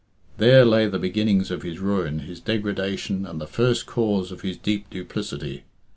There lay the beginnings of his ruin, his degradation, and the first cause of his deep duplicity.